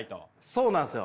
そうなんですよ。